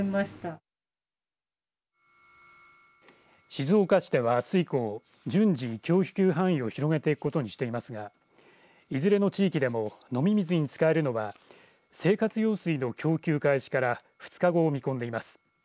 静岡市では、あす以降順次、供給範囲を広げていくことにしていますがいずれの地域でも飲み水に使えるのは生活用水の供給開始から２日後を見込んでいます。